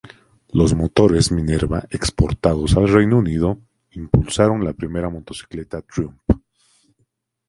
Los motores Minerva exportados al Reino Unido impulsaron la primera motocicleta Triumph.